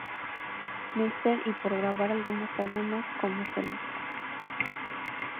Mister y por grabar algunos álbumes como solista.